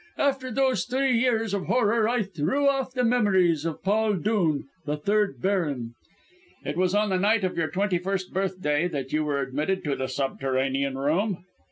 After those three years of horror I threw off the memories of Paul Dhoon, the third baron " "It was on the night of your twenty first birthday that you were admitted to the subterranean room?"